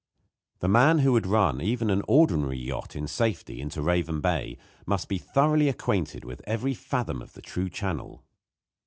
The man who would run even an ordinary yacht in safety into Raven Bay must be thoroughly acquainted with every fathom of the true channel.